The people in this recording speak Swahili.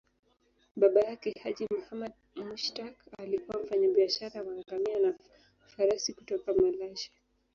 Baba yake, Haji Muhammad Mushtaq, alikuwa mfanyabiashara wa ngamia na farasi kutoka Malashi.